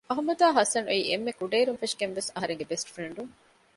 އަޙުމަދުއާއި ޙަސަނު އެއީ އެންމެ ކުޑައިރުން ފެށިގެން ވެސް އަހަރެންގެ ބެސްޓް ފުރެންޑުން